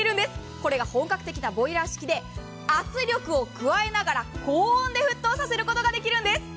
これが本格的なボイラー式で圧力を加えながら高温で沸騰させることができるんです。